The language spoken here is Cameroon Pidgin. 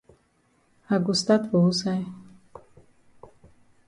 I go stat for wusaid?